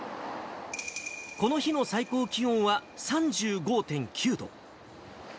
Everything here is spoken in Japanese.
この日の最高気温は３５．９度。